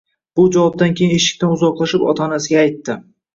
Bu javobdan keyin eshikdan uzoqlashib ota-onasiga aytdi.